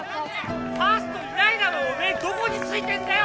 ファーストいないだろ目どこについてんだよ！